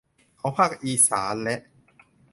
ของภาคอิสานและ